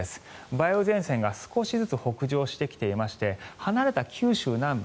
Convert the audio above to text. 梅雨前線が少しずつ北上してきていまして離れた九州南部